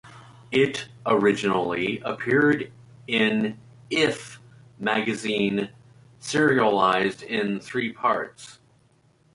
It originally appeared in "If" magazine, serialized in three parts.